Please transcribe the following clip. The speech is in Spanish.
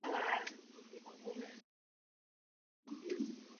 Especialistas en vidrio esmaltado hicieron lámparas que se vendieron por todo el mundo.